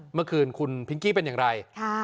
เมื่อคืนคุณพิงกี้เป็นอย่างไร